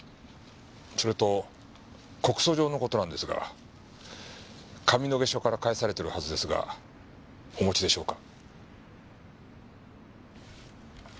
それと告訴状の事なんですが上野毛署から返されてるはずですがお持ちでしょうか？